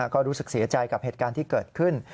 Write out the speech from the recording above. ก็รู้สึกเสียใจกับเหตุการณ์ที่เกิดขึ้น